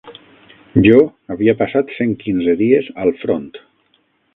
Jo havia passat cent quinze dies al front